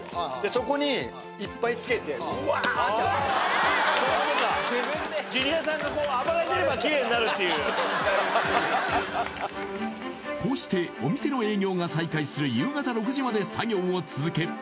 そこにいっぱいつけてうわってそういうことか自分でジュニアさんが暴れてればキレイになるっていうこうしてお店の営業が再開する夕方６時まで作業を続け